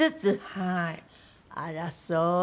あらそう。